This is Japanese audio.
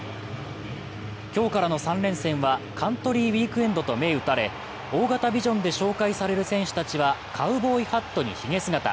今日からの３連戦はカントリー・ウィークエンドと銘打たれ大型ビジョンで紹介される選手たちはカウボーイハットに、ひげ姿。